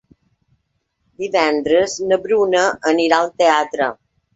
Divendres na Bruna anirà al teatre.